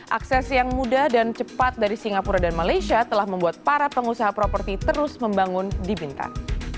akses yang mudah dan cepat dari singapura dan malaysia telah membuat para pengusaha properti terus membangun di bintan